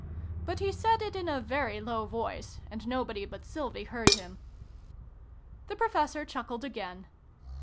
But he said it in a very low voice, and nobody but Sylvie heard him. The Professor chuckled again.